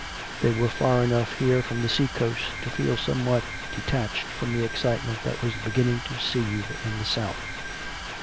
They were far enough here from the sea coast to feel somewhat detached from the excitement that was beginning to seethe in the south.